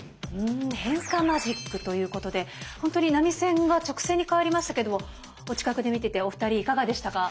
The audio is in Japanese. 変化マジックということでほんとに波線が直線に変わりましたけれどもお近くで見ててお二人いかがでしたか？